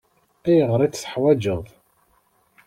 Ayɣer i t-teḥwaǧeḍ?